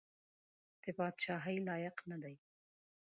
پاچهي لایق نه دی.